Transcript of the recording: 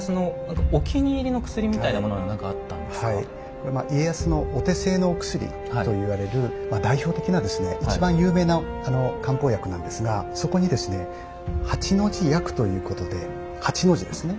なかでもこれは家康のお手製のお薬と言われる代表的なですね一番有名な漢方薬なんですがそこに「八之字薬」ということで「八之字」ですね。